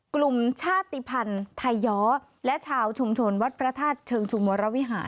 กลุ่มชาติภัณฑ์ไทยย้อและชาวชุมชนวัดพระธาตุเชิงชุมวรวิหาร